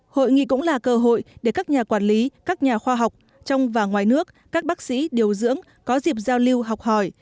hội nghị cũng là cơ hội để các nhà quản lý các nhà khoa học trong và ngoài nước các bác sĩ điều dưỡng có dịp giao lưu học hỏi